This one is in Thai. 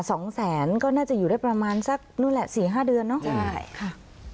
สองแสนก็น่าจะอยู่ได้ประมาณสักนู่นแหละสี่ห้าเดือนเนอะใช่ค่ะ